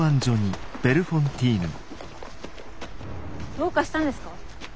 どうかしたんですか？